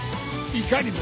いかにも。